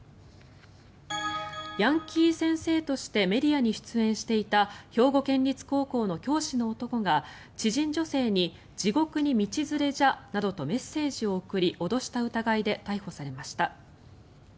ヤンキー先生としてメディアに出演していた兵庫県立高校の教師の男が知人女性に地獄に道連れじゃなどとメッセージを送り脅した疑いで逮捕されました。